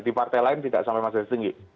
di partai lain tidak sampai masih tinggi